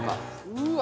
うわ！